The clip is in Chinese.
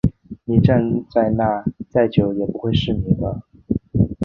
你站在那再久也不会是你的